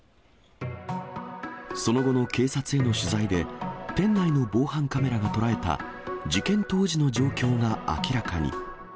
その後の警察への取材で、店内の防犯カメラが捉えた、事件当時の状況が明らかに。